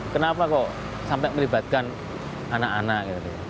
kenapa kok sampai melibatkan anak anak